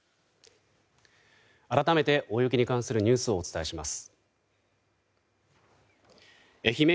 改めて大雪に関するニュースをお伝えします。